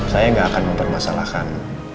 saya gak akan mempermasalahkan